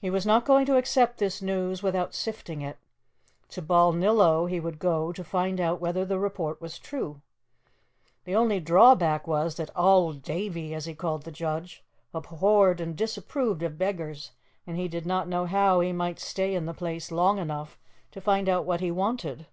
He was not going to accept this news without sifting it. To Balnillo he would go to find out whether the report was true. The only drawback was that "auld Davie," as he called the judge, abhorred and disapproved of beggars, and he did not know how he might stay in the place long enough to find out what he wanted.